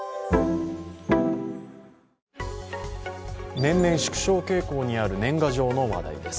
年々縮小傾向にある年賀状の話題です。